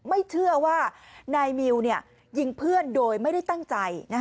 ไม่เชื่อว่านายมิวยิงเพื่อนโดยไม่ได้ตั้งใจ